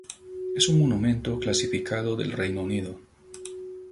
Es un monumento clasificado del Reino Unido.